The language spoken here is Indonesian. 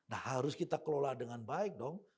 nah harus kita kelola dengan baik dong